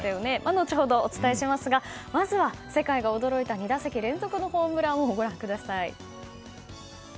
後ほどお伝えしますがまずは、世界が驚いた２打席連続のホームランをご覧ください。